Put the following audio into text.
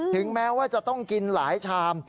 ถึงแม้ว่าจะต้องกินหลายชาม